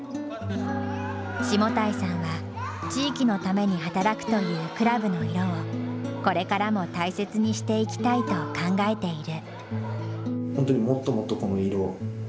下平さんは地域のために働くというクラブの色をこれからも大切にしていきたいと考えている。